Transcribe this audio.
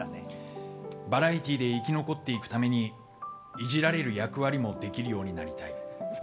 バラエティーで生き残っていくためにイジられる役割もできるようになりたい。